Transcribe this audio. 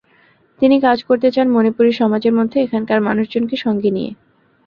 তিনি কাজ করতে চান মনিপুরী সমাজের মধ্যে, এখানকার মানুষজনকে সঙ্গে নিয়ে।